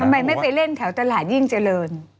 ทำไมไม่ไปเล่นแถวตลาดยิ่งเจริญ